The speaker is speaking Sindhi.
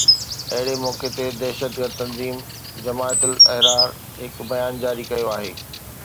اهڙي موقعي تي دهشتگرد تنظيم جماعت الاحرار هڪ بيان جاري ڪيو آهي